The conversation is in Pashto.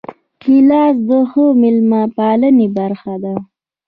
ګیلاس د ښه میلمه پالنې برخه ده.